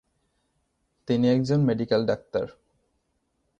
তিনি একজন medical doctor.